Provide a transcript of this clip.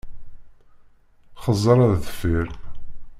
Xeẓẓeṛ ar deffir!